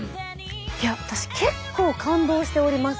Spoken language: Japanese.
私結構感動しております。